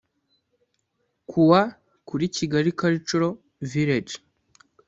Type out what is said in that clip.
Kuwa kuri Kigali Cultural Village